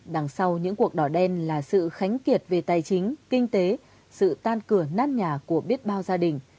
đằng sau những cuộc đỏ đen là sự khánh kiệt về tài chính kinh tế sự tan cửa nát nhà của biết bao gia đình